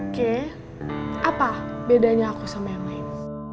ke apa bedanya aku sama yang lain